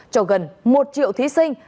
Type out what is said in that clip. cho gần một triệu thí sinh